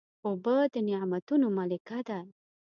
اوبه د نعمتونو ملکه ده.